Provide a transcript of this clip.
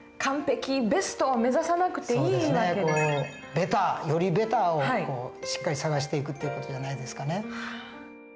ベターよりベターをしっかり探していくっていう事じゃないですかね？